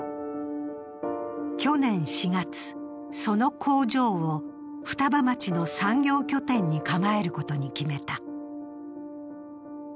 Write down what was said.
去年４月、その工場を双葉町の産業拠点に構えることに決めた。